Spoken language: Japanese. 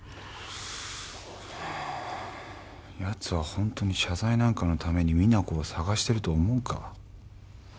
ヤツはホントに謝罪なんかのために実那子を捜してると思うか？